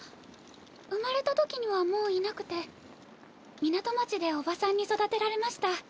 生まれたときにはもういなくて港町でおばさんに育てられました。